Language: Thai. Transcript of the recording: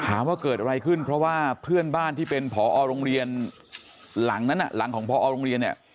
ถามว่าเกิดอะไรขึ้นเพราะว่าเพื่อนบ้านที่เป็นผอโรงเรียนหลังนั้นหลังของพอโรงเรียนเนี่ย